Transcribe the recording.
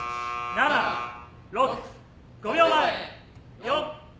７６５秒前４３。